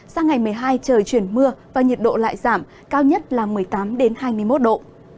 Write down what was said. sang ngày một mươi hai trời chuyển mưa và nhiệt độ lại giảm cao nhất là một mươi tám hai mươi một độ